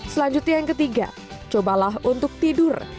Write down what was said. selanjutnya yang ketiga cobalah untuk tidur